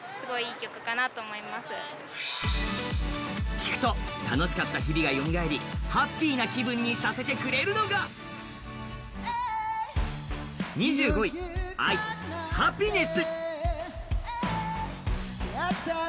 聴くと楽しかった日々がよみがえりハッピーな気分にさせてくれるのが、２５位、ＡＩ、「ハピネス」。